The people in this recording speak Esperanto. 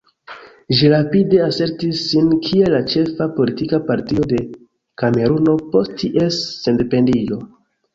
Ĝi rapide asertis sin kiel la ĉefa politika partio de Kameruno post ties sendependiĝo.